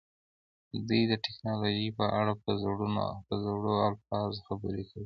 دوی د ټیکنالوژۍ په اړه په زړورو الفاظو خبرې کولې